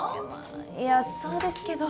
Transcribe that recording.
いやそうですけど。